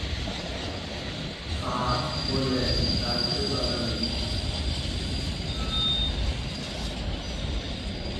পা ও লেজ কালচে বাদামি।